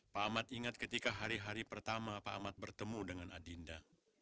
pak ahmad ingat ketika hari hari pertama pak ahmad bertemu dengan adinda